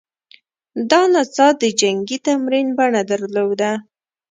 دا نڅا د جنګي تمرین بڼه درلوده